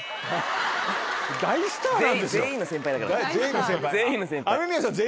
大スターなんですよ。